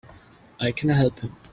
I can help him!